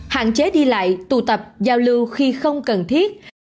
hạn chế đi lại tụ tập giao lưu khi không cần thiết